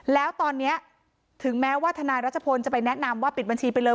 แล้วตอนนี้ถึงแม้ว่าทนายรัชพลจะไปแนะนำว่าปิดบัญชีไปเลย